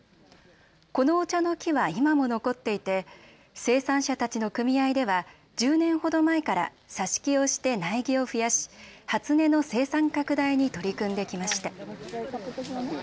このお茶の木は今も残っていて生産者たちの組合では１０年ほど前から挿し木をして苗木を増やし、初音の生産拡大に取り組んできました。